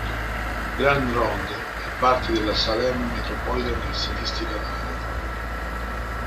Grand Ronde è parte della "Salem" "Metropolitan Statistical Area".